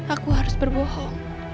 aku harus berbohong